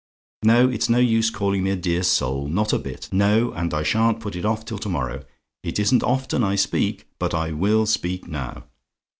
Now, it's no use calling me a dear soul not a bit! No; and I shan't put it off till to morrow. It isn't often I speak, but I WILL speak now.